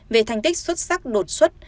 về thành tích xuất sắc đột xuất